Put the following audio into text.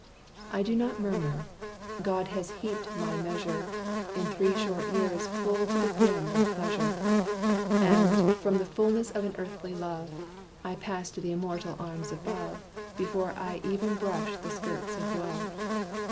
I do not murmur. God has heaped my measure, In three short years, full to the brim with pleasure; And, from the fullness of an earthly love, I pass to th' Immortal arms above, Before I even brush the skirts of Woe.